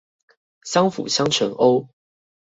相輔相成哦